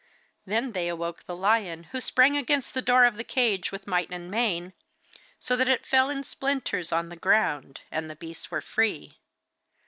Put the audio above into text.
Then they awoke the lion, who sprang against the door of the cage with might and main, so that it fell in splinters on the ground, and the beasts were free.